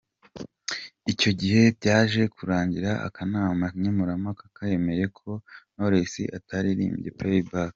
Icyo gihe byaje kurangira akanama nkemurampaka kemeye ko Knowless ataririmbye Playback.